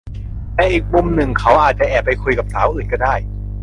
แต่อีกมุมหนึ่งเขาอาจจะแอบไปคุยกับสาวอื่นก็ได้